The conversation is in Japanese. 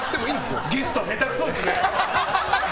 ゲスト下手くそですね！